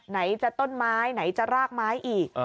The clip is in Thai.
ไหนจะต้นไม้ไหนจะรากไม้อีก